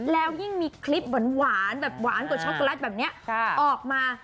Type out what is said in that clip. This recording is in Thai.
แล้วยิ่งมีคลิปหวานแบบหวานกว่าช็อกโกแลตแบบนี้ออกมา